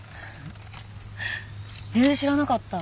全然知らなかった